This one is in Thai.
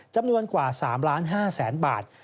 จำนวนกว่า๓๕๐๐๐๐บาท